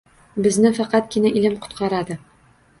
Bizni faqatgina ilm qutqaradi.